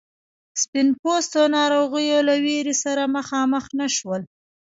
سپین پوستو ناروغیو له ویرې سره مخامخ نه شول.